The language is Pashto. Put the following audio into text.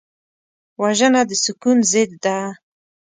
وژنه د سکون ضد ده